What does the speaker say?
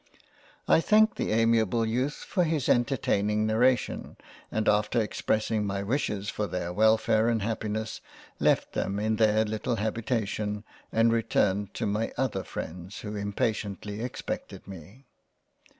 I thanked the amiable Youth for his entertaining narration, and after expressing my wishes for their Welfare and Happi ness, left them in their little Habitation and returned to my other Freinds who impatiently expected me.